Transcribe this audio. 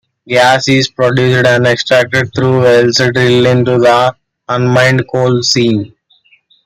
Gas is produced and extracted through wells drilled into the unmined coal seam.